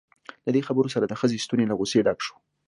له دې خبرو سره د ښځې ستونی له غصې ډک شو.